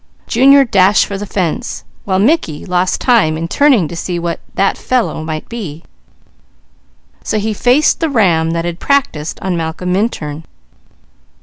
Junior dashed for the fence, while Mickey lost time in turning to see what "that fellow" might be; so he faced the ram that had practised on Malcolm Minturn.